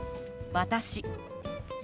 「私」。